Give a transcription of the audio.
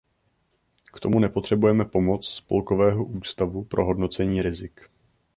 K tomu nepotřebujeme pomoc Spolkového ústavu pro hodnocení rizik.